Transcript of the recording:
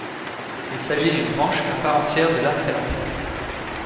Il s'agit d'une branche à part entière de l'art-thérapie.